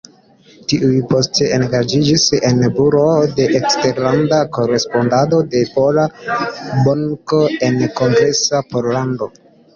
Tuj poste engaĝiĝis en buroo de eksterlanda korespondado de Pola Banko en Kongresa Pollando.